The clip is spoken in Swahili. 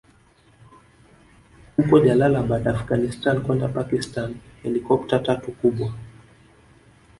huko Jalalabad Afghanistan kwenda Pakistan Helikopta tatu kubwa